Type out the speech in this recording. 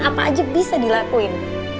apa aja bisa dilakuin